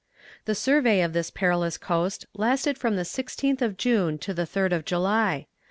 The survey of this perilous coast lasted from the 16th of June to the 3rd of July.